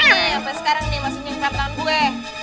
nih apa sekarang nih mau nyengkrapkan gue